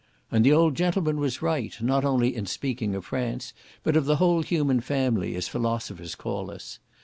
And the old gentleman was right, not only in speaking of France, but of the whole human family, as philosophers call us.